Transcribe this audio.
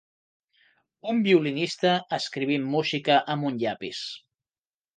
Un violinista escrivint música amb un llapis.